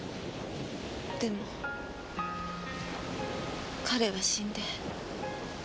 でも彼は死んで。